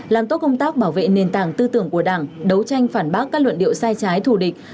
làm tốt công tác bảo vệ nền tảng tư tưởng của đảng đấu tranh phản bác các luận điệu sai trái thù địch